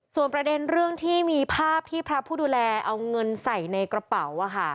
ส่วนประเด็นเรื่องที่มีภาพที่พระผู้ดูแลเอาเงินใส่ในกระเป๋า